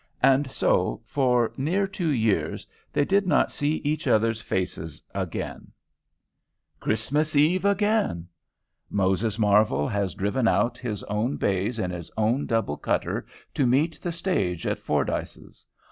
And so, for near two years, they did not see each other's faces again. CHRISTMAS EVE again! Moses Marvel has driven out his own bays in his own double cutter to meet the stage at Fordyce's.